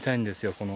この。